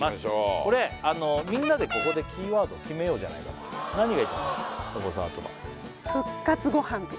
これみんなでここでキーワードを決めようじゃないかと何がいいと思う？